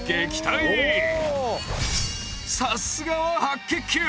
さすがは白血球！